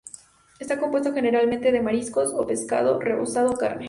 Está compuesto generalmente de marisco o pescado rebozado, o carne.